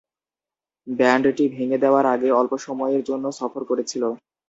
ব্যান্ডটি ভেঙে দেওয়ার আগে অল্প সময়ের জন্য সফর করেছিল।